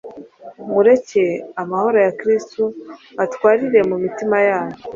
Mureke amahoro ya Kristo atwarire mu mitima yanyu,